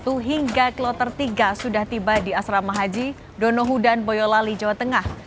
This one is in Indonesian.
ketanah suci seribuan koper milik jemaah kloter satu hingga kloter tiga sudah tiba di asrama haji donohu dan boyolali jawa tengah